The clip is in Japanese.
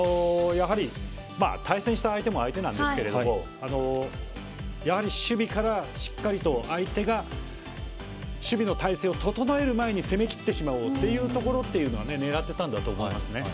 対戦した相手も相手なんですけど守備からしっかりと相手が守備の態勢を整えるまでに攻め切ってしまおうというのは狙っていたと思います。